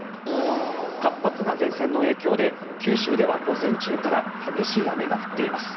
活発な前線の影響で九州では午前中から激しい雨が降っています。